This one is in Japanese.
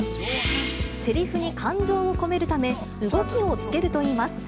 せりふに感情を込めるため、動きをつけるといいます。